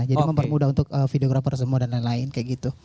jadi mempermudah untuk videographer semua dan lain lain kayak gitu